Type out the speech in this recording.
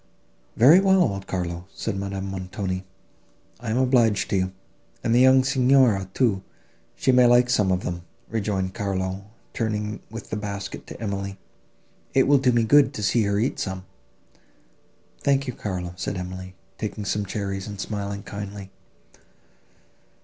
"Very well, old Carlo," said Madame Montoni; "I am obliged to you." "And the young Signora, too, she may like some of them," rejoined Carlo, turning with the basket to Emily, "it will do me good to see her eat some." "Thank you, Carlo," said Emily, taking some cherries, and smiling kindly.